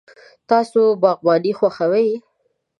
تاسو باغباني خوښوئ؟